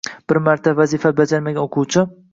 Bir marta vazifa bajarmagan o‘quvchi.